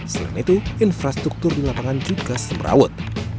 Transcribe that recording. selain itu infrastruktur di lapangan juga semerawut